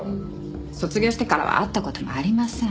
卒業してからは会った事もありません。